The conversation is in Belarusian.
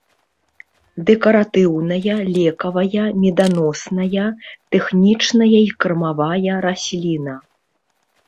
Дэкаратыўная, лекавая, меданосная, тэхнічная і кармавая расліна.